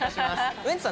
ウエンツさん